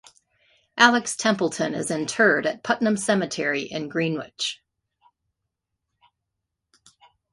Alex Templeton is interred at Putnam Cemetery in Greenwich.